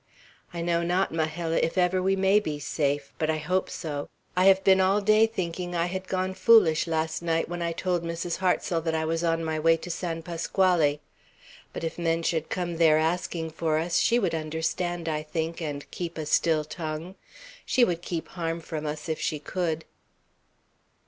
"I know not, Majella, if ever we may be safe; but I hope so. I have been all day thinking I had gone foolish last night, when I told Mrs. Hartsel that I was on my way to San Pasquale. But if men should come there asking for us, she would understand, I think, and keep a still tongue. She would keep harm from us if she could."